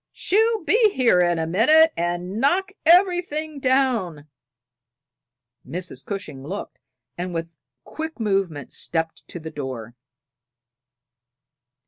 "She'll be in here in a minute and knock everything down!" Mrs. Cushing looked, and with a quick movement stepped to the door.